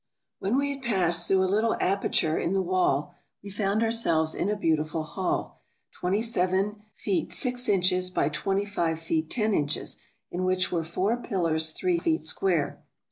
When we had passed through a little aperture in the wall we found ourselves in a beautiful hall, twenty seven feet six inches by twenty five feet ten inches, in which were four pillars three feet square.